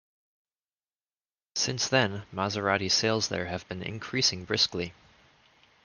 Since then, Maserati sales there have been increasing briskly.